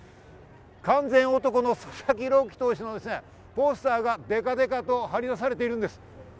完全の男の佐々木朗希投手のポスターがデカデカと貼り出されているんです。